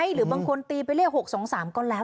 หรือบางคนตีไปเรียก๖๒๓ก็แล้ว